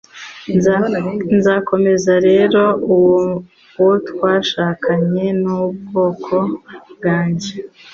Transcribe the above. Nzakomeza rero uwo twashakanye n'ubwoko bwanjye